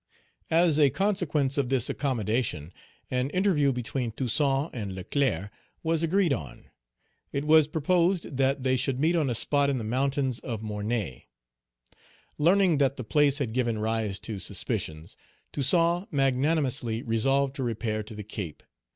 As a consequence of this accommodation, an interview between Toussaint and Leclerc was agreed on. It was proposed that they should meet on a spot in the mountains of Mornay. Learning that the place had given rise to suspicions, Toussaint magnanimously resolved to repair to the Cape.